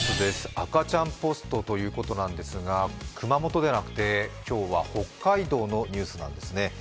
赤ちゃんポストということなんですが熊本でなくて今日は北海道のニュースなんですね。